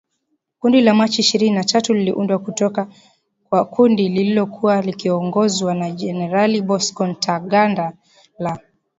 Kundi la Machi ishirini na tatu liliundwa kutoka kwa kundi lililokuwa likiongozwa na Jenerali Bosco Ntaganda la